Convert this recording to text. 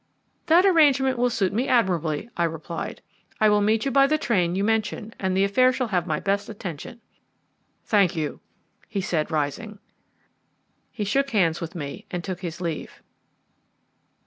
"That arrangement will suit me admirably," I replied. "I will meet you by the train you mention, and the affair shall have my best attention." "Thank you," he said, rising. He shook hands with me and took his leave.